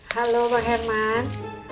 halo mbak herman